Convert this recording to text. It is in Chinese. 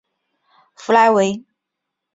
弗莱维。